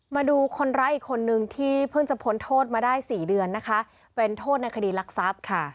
มาดูคนร้ายอีกคนนึงที่เพิ่งจะพ้นโทษมาได้สี่เดือนนะคะเป็นโทษในคดีรักทรัพย์ค่ะ